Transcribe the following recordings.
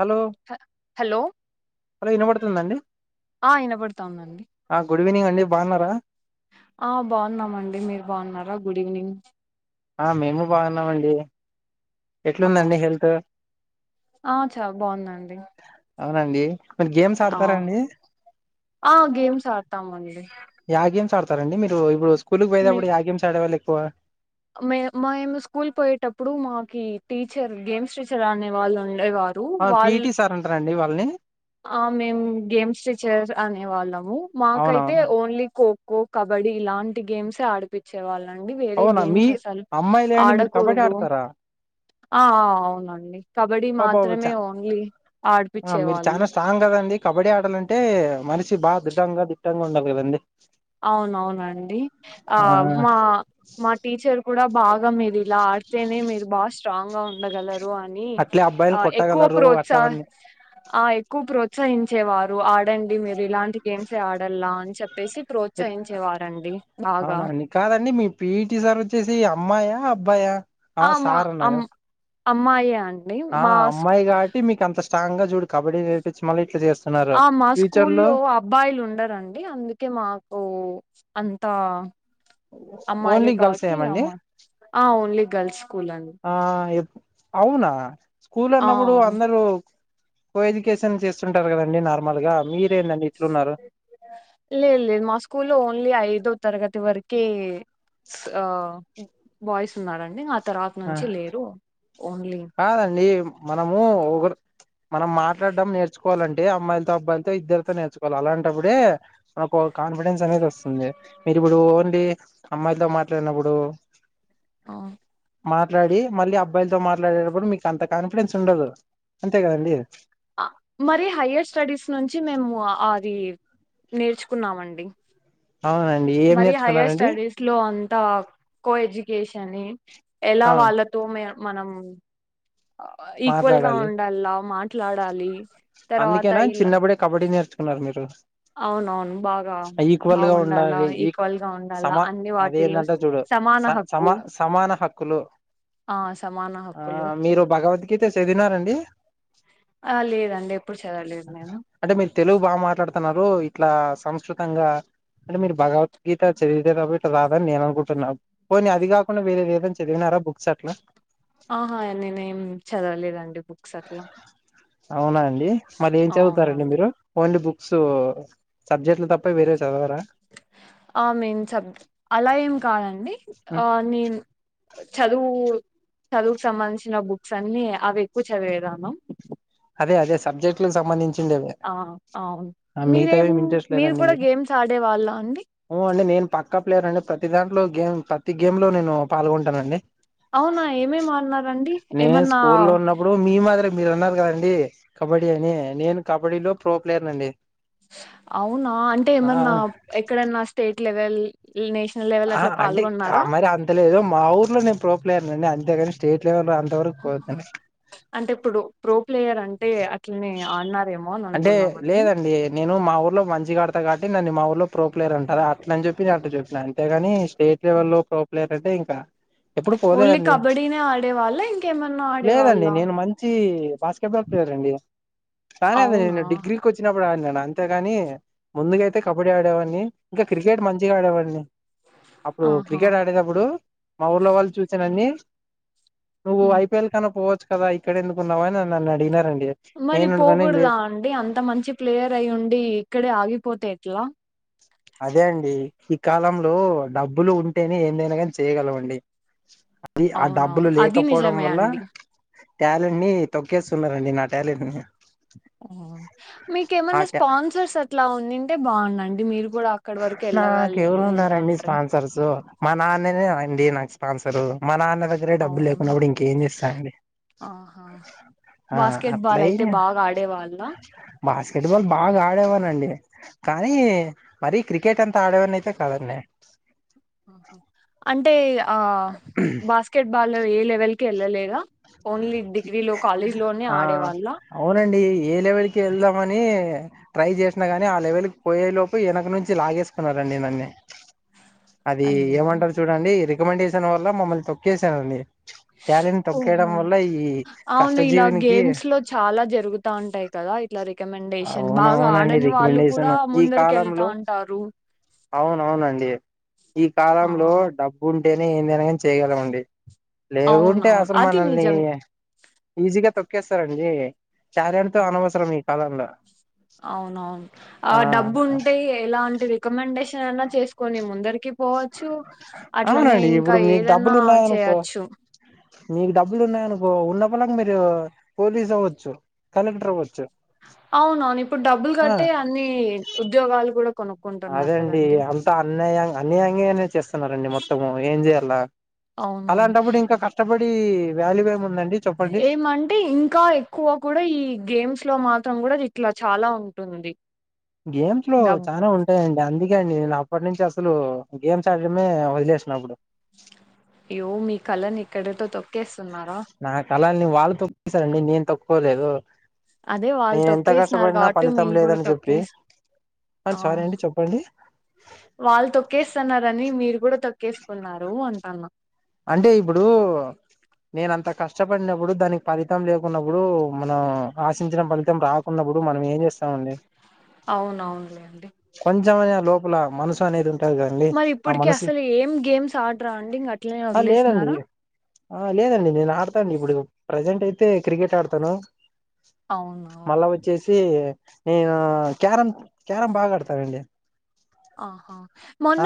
Hello hello hello వినపడుతుందా అండి? ఆ వినబడతాందండి ఆ గుడ్ ఈవనింగ్ అండి బాన్నరా? ఆ బాన్నమండి. మీరు బాన్నరా? Good evening. ఆ మేము బాగున్నమండి. ఆ ఆ చాల బాగున్ననండి. అవునండి. మీరు గేమ్స్ ఆ ఆడతారా అండి ఆ గేమ్స్ ఆడతామ్ అని యా గేమ్స్ ఆడతారండి మీరు? ఇప్పుడు స్కూల్కి మే పోయేతప్పుడు యా గేమ్స్ ఆడేవాళ్ళు ఎక్కువ? మే మేము స్కూల్ పోయేటప్పుడు, మాకి టీచర్ గేమ్స్ టీచర్ అనే వాళ్ళు ఉన్ డేవారు అవును వాళ్ పీఈటీ సార్ అంటారండి వాళ్ళని ఆ మేము గేమ్స్ టీచర్ అనే వాళ్ళము మాకైతే అవునవును ఓన్లీ ఖో ఖో కబడ్డీ ఇలాంటి గేమ్స్ ఎ ఆడిపిచ్చే వాళ్ళండి. వేరే అవునా గేమ్స్ మీ అమ్మాయిలే అండి మీరు కబడ్డీ ఆడకూడదు ఆడతారా ఆ ఆ అవునండి కబడ్డీ అబ్బబ్బ చ మాత్రమే ఓన్లీ ఆ మీరు ఆడిపిచ్చేవాళ్ళు చానా స్ట్రాంగ్ కదండి కబడ్డీ ఆడాలంటే మనిషి బాగా దృఢంగా దిట్టంగా ఉండాలి కదండి అవునవునండి ఆ మా మా టీచర్ కూడా బాగా మీరు ఇలా ఆడితేనే మీరు బాగా స్ట్రాంగ్ గా ఉండగలరు రు అని అట్లే అబ్బాయిలు ఎక్కువ కొట్టగలరు ప్రోత్సాహ అట్లవన్నీ ఆ ఎక్కువ ప్రోత్సహించేవారు ఆడండి మీరు ఇలాంటి గేమ్స్ ఏ ఆడల్లా అని చెప్పేసి ప్రోత్సహించేవారండి బాగా పీటి సార్ వచ్చేసి అమ్మాయా అబ్బాయా ఆ మా సార్ అన్నాగా అమ్ అమ్మాయే అండీ ఆ అమ్మాయి కాబట్టి మీకు అంత స్ట్రాంగ్ గా చూడు కబడ్డీ నేర్పించి మళ్ళీ ఇట్లా చేస్ ఆ మా స్కూల్లో అబ్బాయిలు ఉండరండి అందుకే మాకు ఆన్ తా ఓన్లీ అమ్మాయిలే గర్ల్స్ కాబట్టి ఏమండి అమ్మా ఆ ఓన్లీ గర్ల్స్ స్కూల్ అండి ఆ ఎప్- అవునా స్కూల్ అన్నప్పుడు ఆ! అందరు కో ఎడ్యుకేషన్ చేసు కుంటారు కదండి నార్మల్ గా మీరేందండి ఇట్లున్నారు లే లేదు మా స్కూల్లో ఓన్లీ ఐదుో తరగతి వరక్ కే ఆ బాయ్స్ ఉన్నాారండి తర్వాత ఆ, నుంచి లేరు ఓన్లీ కాదండి మనము ఒకర్ మనం మాట్లాడడం నేర్చుకోవాలంటే అమ్మాయితో అబ్బాయిలతో ఇద్దరితో నేర్చుకోవాలి అలాంటప్పుడే మనకు కాన్ఫిడెన్స్ అనేది వస్తుంది మీరు ఇప్పుడు ఓన్లీ అమ్మాయితో మాట్లాడినప్పుడు ఆ మాట్లాడి మళ్ళీ అబ్బాయిలతో మాట్లాడేటప్పుడు మీకు అంత కాన్ఫిడెన్స్ ఉండదు అంతే కదండి మరి హయర్ స్టడీస్ నుంచి మేము అది నేర్చుకున్నామండి అవునండి ఏం మరి హైయర్ నేర్చుకున్నారండి స్టడీస్ లో అంత త కోఎడ్యుకేషన్ ఏ ఎలా ఆ వాళ్ళతో మే మనం ఈక్వల్ గా మాట్లాడాలి ఉండల్లా మాట్లాడాలి తర్వాత అందుకేనా ఇలా చిన్నప్పుడే కబడ్డీ నేర్చుకున్నారు మీరు అవునవును బాగా ఈక్వల్ గా బాగుండాలా ఉండాలి ఈక్ ఈక్వల్ గా ఉండాలా సమా అన్ని వాటిల్లో అదేమంటారు చూడు సమాన స హక్కు సమా సమానహక్కు ఆ సమాన ఆ హక్కులు మీరు భగవద్గీత చదివినారాండి ఆ లేదండి ఎప్పుడు చదవలేదు నేను అంటే మీరు తెలుగు బాగా మాట్లాడుతున్నారు ఇట్లా సంస్కృతంగా అంటే మీరు భగవద్గీత చదివితేతప్ప ఇట్లా రాదని నేను అనుకుంటున్నా పోనీ అది కాకుండా వేరే ఏదన్న చదివినార్ రా బుక్స్ అట్లా ఆహా నేనేం చదవలేదండి బుక్స్ అట్లా అవునా అండి మళ్ళీ ఏం చదువుతారండి అవునండి మీరు ఓన్లీ బుక్స్ సబ్జెక్ట్లు తప్ప వేరే చదవరా ఆ నేన్ సబ్జెక్ట్ అలా ఏం కాదండి ఉమ్, ఆ నేన్ చదువు చదువుకు సంబంధించిన బుక్స్ అన్ని అవి ఎక్కువ చదివేదానం అదే అదే సబ్జెక్టు కు సంబంధించి ఆ అవును మీరేం ఏమి ఇంట్రెస్ట్ మీరు కూడా గేమ్స్ ఆడే వాళ్ళ అండి ఉను అండి నేను పక్కా ప్లేయర్ అండి ప్రతి దాంట్లో గేమ్ ప్రతి గేమ్ లో నేను పాల్గొంటాన్ అండి అవునా ఏమేం ఆడినారాండి నేను స్కూ లో ఉన్నప్పుడు మీ మాదిరే మీరున్నారు కద అండి కబడ్డీ అని నేను కబడ్డీలో ప్రో ప్లేయర్ అండి అవునా అంటే ఏమన్నా ఎక్కడన్నా స్టేట్ లెవెల్ నేషనల్ లెవెల్ ఆ అట్లా అంటే ఆ పాల్గొన్నారా మరి అంతలేదు మా ఊర్లో నేను ప్రో ప్లేయర్నండి అంతేగాని స్టేట్ లెవెల్ అ అంటే ఇప్పుడు ప్రో ప్లేయర్ అంటే అట్లనే ఆడినారేమో అని అంటే అనుకున్నామండి లేదండి నేను మా ఊర్లో మంచిగ ఆడతా కాబట్టి నన్ను మా ఊళ్ళో ప్రొప్లేయర్ అంటారు అట్లని చెప్పి నేను అట్ల చెప్పినాను అంతేగాని స్టేట్ లెవెల్లో ప్రొప్లేయర్ అంటే ఇంకా ఎప్పుడు ఓన్లీ పోలేదండి. కబడ్డీనే ఆడేవాళ్ళ ఇంకేమన్నా ఆడేవాళ్ళ లేదండి నేను మంచి బాస్కెట్బాల్ అంతేకాదండీ కానీ అది అవునా నేను డిగ్రీకి వచ్చినప్పుడు అంతేగాని ముందుగా అయితే కబడ్డీ ఆడేవాడిని, ఇంకా క్రికెట్ మంచిగా ఆడేవాడిని. అప్పుడు, ఆహా క్రికెట్ ఆడేడప్పుడు మా ఊర్లో వాళ్ళు చూసి నన్ని నువ్వు ఉమ్. ఐపిఎల్ కన్నా పోవచ్చు కదా, ఇక్కడ ఎందుకు ఉన్నావని నన్ను అడిగినారండి. మరి నేనునుకని లే పోకూడదా అండి. అంత మంచి ప్లేయర్ అయి ఉండి ఇక్కడే ఆగిపోతే ఎట్లా? [inaudible] అదే అండి ఈ కాలంలో డబ్బులు ఉంటేనే ఏందైనా కానీ చేయగలమండి. అది ఆ అవునవును డబ్బులు అది లేకపోవడం నిజమే వల్ల అండి ట్యాలెంట్ ని తొక్కేస్తున్నారండి. నా టాలెంట్ ని మీకు ఆ ఏమైన్నా స్పాన్సర్స్ అట్లా ఉండుంటే బాగుండండి. మీరు కూడా అక్కడి వరకు నాకు వెళ్ళగలి ఎవరు ఉన్నారండి ఏంటంటారు స్పాన్సర్స్ మా నాన్నేనే అండి నాకు స్పాన్సర్ మా నాన్నదగ్గరే డబ్బులు అవును లేకున్నప్పుడు ఇంకేం చేస్తాం అండి. ఆహా ఆ బాస్కెట్ బాల్ అయితే అట్లయినా బాగా ఆడేవాళ్ళ బాస్కెట్బాల్ బాగా ఆడేవాడి నండి. కానీ మరీ క్రికెట్ అంత ఆడేవాన్ని అయితే కాదు నేను అంటే ఆ బాస్కెట్బాల్ ఏ లెవెల్ కి వెళ్ళలేదా? ఓన్లీ డిగ్రీలో కాలేజ్ లోనే ఆ ఆడేవాళ్ళ అవునండి, ఏ లెవెల్ కి వెళ్దామని ట్రై చేసినా గాని ఆ లెవెల్ క పోయే లోపు వెనక నుంచి లాగేసుకున్నారండి నన్నే. అది అయ్యో ఏమంటారు చూడండి రికమెండేషన్ వల్ల మమ్మల్ని తొక్కేసానండి. టాలెంట్ ని తొక్కయడం ఓహో వల్ల ఈ అవును ఇలా కష్టజీవునికి గేమ్స్ లో చాలా జరుగుతా ఉంటాయి కదా ఇలా అవునవునండి రికమెండేషన్ కూడా ఈ ముందరికి వెళ్తా కాలంలో ఉంటారు అవునవునండి ఈ ఆ, కాలంలో డబ్బు ఉంటేనే ఎందైనా చేయగలమండి. లేకుంటే అవునవును అసలు అది మనల్ని నిజం ఈజీగా తొక్కేస్తారండి. టాలెంట్ తో అనవసరం ఈ కాలంలో అవున, అవును ఆ డబ్బు ఉంటే ఎలాంటి రికమెండేషన్ అయినా చేసుకొని ముందరికి. పోవచ్చు అట్లనే అవునండి, ఇంకా ఇప్పుడు మీకు ఏదన్నా డబ్బులు ఉన్నాయి అనుకో చేయొచ్చు మీకు డబ్బులు ఉన్నాయి అనుకో ఉన్నపళంగా మీరు పోలీస్ అవ్వచ్చు కలెక్టర్ అవ్వచ్చు. అవునవును ఇప్పుడు డబ్బులు ఆ కట్టే అన్ని ఉద్యోగాలు కూడా అదే కొనుక్కుంటున్నారు అండి కదండి అంతా అన్యా అన్యాయంగానే చేస్తున్నారండి మొత్తము ఏం చేయాల. అవునవును అలాంటప్పుడు ఇంకా కష్టపడి వాల్యూ ఏముముందండి ఏమంటే, ఇంకా ఎక్కువ కూడా ఈ గేమ్స్ లో మాత్రం కూడా ఇట్లా చాలా ఉంటుంది. గేమ్స్ లో డబ్ చానా ఉంటాయండి. అందుకే అండి నేను అప్పటి నుంచి అసలు గేమ్స్ ఆడడమే వదిలేసినప్పుడు. యో మీ కళని ఇక్కడతో తొక్కేస్త నా కళని వాళ్ళు. తొక్కేసారండి నేను తప్పలేదు. అదే వాళ్ళు తొక్కేసినారు కాబట్టి, ఫలితం మీరు కూడా లేదని చెప్పి తొక్కేసి ఆ, సారీ అవును అండి చెప్పండి వాళ్ళు తొక్కేస్ ఇస్తున్నారని మీరు కూడా తొక్కేసుకున్నారు అంటన్నా అంటే ఇప్పుడు నేను అంత కష్టపడినప్పుడు దానికి ఫలితం లేకున్నప్పుడు మనం ఆశించిన ఫలితం రాకున్నప్పుడు ఇప్పుడు మనం ఏం చేస్తామండి అవునవును ఎంతైనా లోపల మనసు అనేది ఉంట మరి ఇప్పటికి అసలు ఏం గేమ్స్ ఆడరా అండి ఇంక అట్లనే ఆ లేదండి వదిలేసినారా. ఆ లేదండి, నేను ఆడతాను. ఇప్పుడు ప్రజెంట్ అయితే క్రికెట్ ఆడతాను. అవును మళ్ళా వచ్చేసి నేను క్యారం క్యారం బాగా ఆడతానండి ఆహా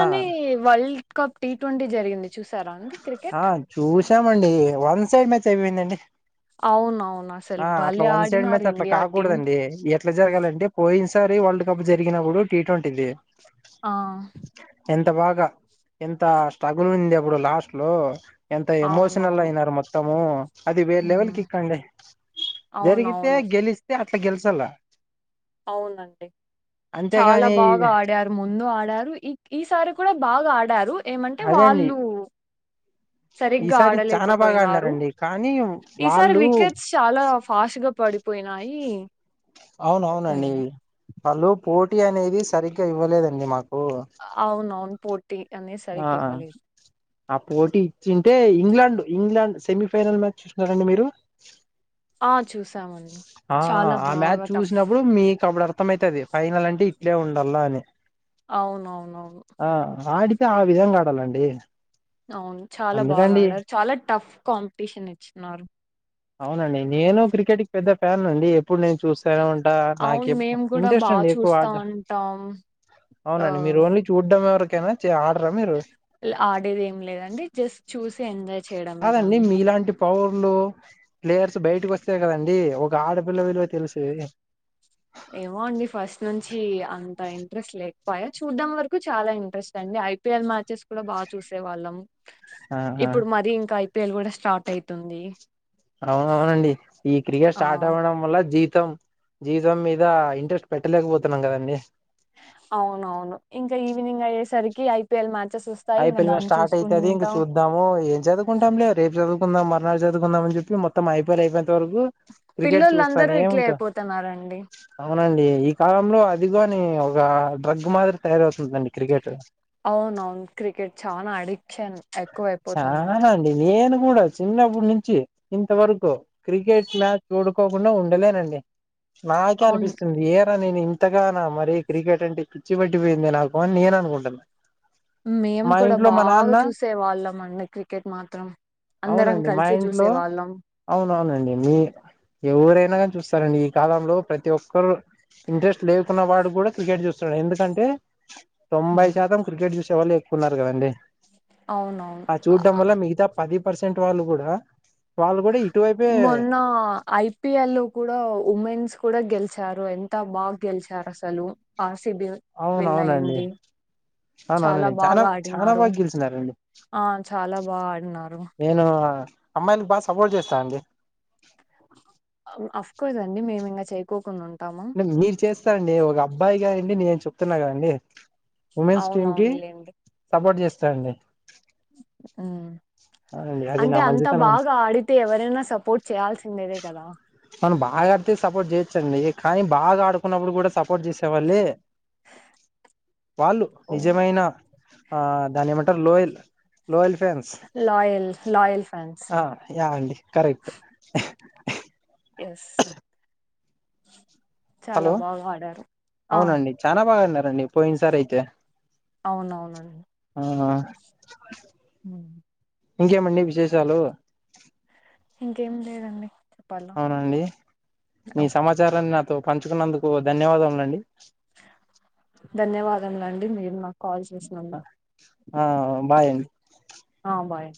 ఆ వరల్డ్ కప్ టీ ట్వంటీ జరిగింది చూసారా అండి ఆ క్రికెట్ చూసామండి వన్ సైడ్ మ్యాచ్ అయిపోయిందండి అవునవ్ ఆ అట్లా వన్ సైడ్ మ్యాచ్ అట్లా టీం కాకూడదండి ఎట్లా జరగాలంటే పోయిన్ సారి వరల్డ్ కప్ జరిగినప్పుడు టీ ట్వంటీది ఆ ఎంత బాగా ఎంత స్ట్రగుల్ ఉంది అప్పుడు లాస్ట్ లో ఎంత ఎమోషనల్ అవునవును అయినారు మొత్తం అది వేరే లెవెల్ హ్మ్ కిక్అండి జరిగితే అవునవును గెలిస్తే అట్లా గెలుసాల అవునండి చాలా బాగా ఆడారు ముందు ఆడారు ఈ ఈసారి కూడా బాగా ఆడారు ఏమంటే అదే అండి వాళ్ళు సరిగ్గా ఈసారి చానా బాగా ఆడలేకపోయినారు ఆడినారండి కానీ ఈసారి వాళ్ళు వికెట్స్ చాలా ఫాస్ట్ గా పడి పోయినాయి అవున అవునండి వాళ్ళు పోటీ అనేది సరిగ్గా ఇవ్వలేదండి మాక్ అవును అవును పోటీ అనేస్ ఆ ఆ పోటీ ఇచ్చింటే ఇంగ్లాండ్ ఇంగ్లాండ్ సెమీఫైనల్ మ్యాచ్ చూసనారండి మీరు ఆ చూసామండి ఆ చాలా ఆ మ్యాచ్ బాగా టఫ్ చూసినప్పుడు మీ కప్పుడ్ ఆర్ ర్ధమైతది ఫైనల్ అంటే ఇట్లే ఉండాల అని అవునవునవును తె ఆ విధంగా ఆడాలండి అవును చాలా బాగా అందుకండి ఆడారు చాలా టఫ్ కాంపిటీషన్ ఇచ్చిన్నారు అవునండి న్ కేటికి పెద్ద ఫ్యాన్ అండి ఇప్పుడు నేను చూస్తానే ఉంటా అవును నాకు మేము కూడా ఇంట్రెస్ట్ బాగా అండి ఎక్కువ చూస్తా ఆట ఉంటాం ఆ అవునండి మీరు ఓన్లీ చూడ్డం ఎవరక్ ఆడేది ఏం లేదండి జస్ట్ చూసి ఎంజ్ కదండిమీలాంటి పౌర్లు ప్లేయర్స్ బయటకోస్తే కదండి ఒక ఆడపిల్ల విలువ తెలిసేది ఏమో అండి ఫస్ట్ నుంచి అంత ఇంట్రెస్ట్ లే పోయా చూడ్డం వరకు చాలా ఇంట్రెస్ట్ అండి ఐపీఎల్ మ్యాచెస్ కూడా బాగా చూసేవాళ్ళం ఆహా ఇప్పుడు మరిీ ఇంకా ఐపిఎల్ కూడా స్టార్ట్ అయితుంది అవునవునండి ఈ క్రికెట్ ఆ స్టార్ట్ అవ్వడం వల్ల జీ తం జీవితం మీద ఇంట్రెస్ట్ పెట్టలేకపోతున్నాం కదండీ అవునవును ఇంకా ఈవినింగ్ అయ్యేసరికి ఐపీఎల్ మా ఐపిఎల్ మ స్టార్ట్ అవుతుది ఇంక చూద్దాము ఏం చదువుకుంటాం లే రేపు చదువుకుందాం మ చదువుందామని చెప్పి మొత్తం ఐ పి ల్ అయిపోయిన్ త వరకు క్రికెట్ పిల్లలందరూ చూస్తానే ఇట్లే ఏముంటా అయిపోతున్నారండి అవు అవునండి ఈ కాలంలో అదిగా అని ఒక డ్రగ్ మాదిరి తయారవుతుం ందండి క్రికెట్ అవునవును క్రికెట్ చాన్ ఆడి చాన అండి నేను కూడా చిన్నప్పుడు నుంచి ఇంతవరకు క్రికెట్ మ్యాచ్ చుడుకోకుండా ఉండలేనండి నాకే అవును అనిపిస్తుంది ఏరా నేను ఇ ఇంతగానా మరీ క్రికెట్ అంటే పిచ్చి పట్టిపోయింది నాకు అని నేను అనుకుంటున్నా మేము మా కూడా ఇంట్లో మా బాగా నాన్న చూసే వాళ్ళం అండి క్రికెట్ మాత్రం అందరం అవునండి మా కలిసి ఇంట్లో చూసే వాళ్ళం అవునవునండి మీ ఎవరైనా కాని చూస్ సారండి ఈ కాలంలో ప్రతి ఒక్కరు ఇంట్రెస్ట్ లేకున్న వాడు కూడా క్రికెట్ చూస్తడు ఎందుకంటే తొంభై శాతం క్రికెట్ చూసేవాళ్ళే ఎక్కువున్నారు గదండి ఆ చూడ్డం వల్ల మిగతా పది పర్సెంట్ వాళ్ళు గూడా మొన్నా ఐపిఎల్ కూడా ఉమెన్స్ కూడా గెల్ చ్చారు ఎంత బాగ గెలిచారు అసలు ఆర్ సి బి విన్ అవునవునండి అయింది చాలా అవునవునండి చానా బాగా చానా ఆడినారు బాగా గెలిచినారండి ఆ చాలా బాగా ఆడినారు అమ్మాయిల బాగా సపోర్ట్ జేస్తా అండి అ అఫ్కోర్స్ అండి మేమేమైన చేయకోకుండా ఉన్ నెం మీరు చేస్తారండి ఒక అబ్బాయిగా అండి నేను చెప్తున్నా గదండి ఉమెన్స్ టీం కి అవునవునులేండి సపోర్ట్ చేస్తా అండి ఊ అవునండి అది అంటే నా అంత మంచితనం బాగా ఆడితే ఎవరైనా సపోర్ట్ చేయాల్సిందేదే కదా ఆగాడితే సపోర్ట్ చేయొచ్చండీ కానీ బాగా ఆడుకున్నప్పుడు కూడా సపోర్ట్ జేసేవాళ్ళే వాళ్ళు ఓ నిజమైన ఆ దాన్నేమంటరు loyal loyal fans loyal loyal fans అ యా అండి కరెక్ట్ ఎస్ చాలా హలో బాగా ఆడారు ఆ అవునండి చానా బాగా ఆన్నారండి పోయిన సారైతే అవునవునండి ఆ హ ఇంకేమండి విశేషాలు ఇంకేం లేదండి చెప్పాలా అవునా అండి మీ ఓకే, సమాచారాన్ని నాతో పంచుకున్నందుకు ధన్యవాదములు అండి ధన్యవాదములండి మీరు మా అ ఆ బాయ్ అన్ ఆ బాయ్